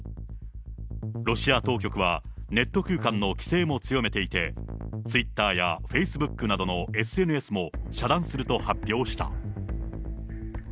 ロシア当局は、ネット空間の規制も強めていて、ツイッターやフェイスブックなどのＳＮＳも遮断すると発表した。